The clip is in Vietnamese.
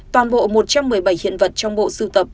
toàn bộ một trăm một mươi bảy hiện vật trong bộ sưu tập